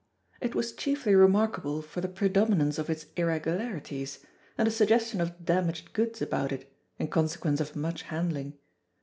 It was chiefly remarkable for the predominance of its irregularities, and a suggestion of damaged goods about it, in consequence of much handling.